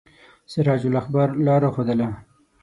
سراج الاخبار لاره ښودله.